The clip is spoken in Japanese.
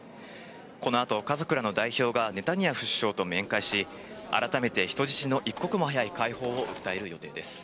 このあと、家族らの代表がネタニヤフ首相と面会し、改めて人質の一刻も早い解放を訴える予定です。